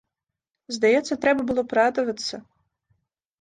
Здаецца, трэба было б радавацца.